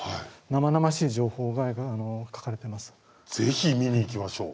ぜひ見に行きましょう。